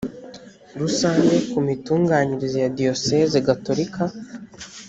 rusange ku mitunganyirize ya diyosezi gatolika